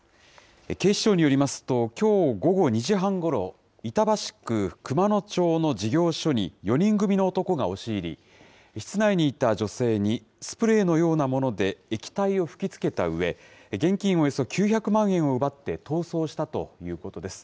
警視庁によりますと、きょう午後２時半ごろ、板橋区熊野町の事業所に４人組の男が押し入り、室内にいた女性にスプレーのようなもので液体を吹きつけたうえ、現金およそ９００万円を奪って逃走したということです。